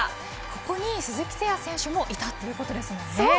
ここに鈴木誠也選手もいたということですよね。